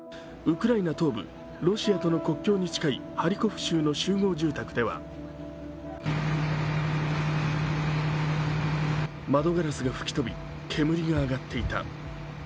ウクライナ東部、ロシアとの国境に近いハリコフ州の集合住宅では、窓ガラスが吹き飛び煙が上がっていた。